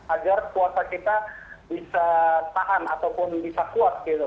agar puasa kita bisa tahan ataupun bisa kuat gitu